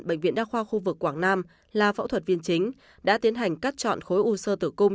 bệnh viện đa khoa khu vực quảng nam là phẫu thuật viên chính đã tiến hành cắt chọn khối u sơ tử cung